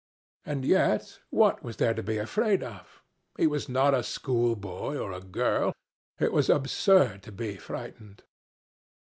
And, yet, what was there to be afraid of? He was not a schoolboy or a girl. It was absurd to be frightened.